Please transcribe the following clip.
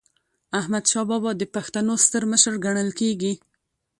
احمدشاه بابا د پښتنو ستر مشر ګڼل کېږي.